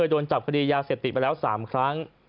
เกิดโดนจับความคำนี้ยาเสียบติดไปแล้วสามครั้ง